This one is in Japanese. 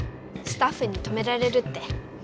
スタッフに止められるって。